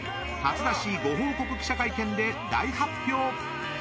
初出しご報告記者会見で大発表。